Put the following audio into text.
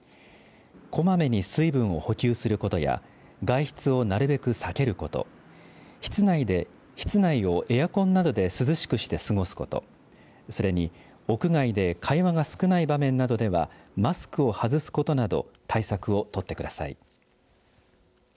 こまめに水分を補給することや外出をなるべく避けること室内をエアコンなどで涼しくして過ごすことそれに屋外で会話が少ない場面などではマスクを外すことなど対策を取ってください。